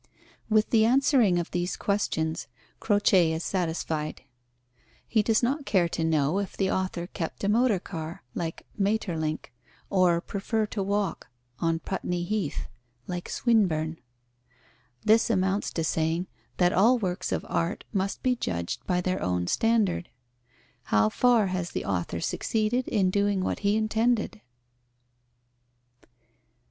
With the answering of these questions Croce is satisfied. He does not care to know if the author keep a motor car, like Maeterlinck; or prefer to walk on Putney Heath, like Swinburne. This amounts to saying that all works of art must be judged by their own standard. How far has the author succeeded in doing what he intended?